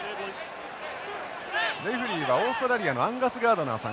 レフリーはオーストラリアのアンガスガードナーさん。